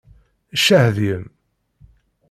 Ccah deg-m!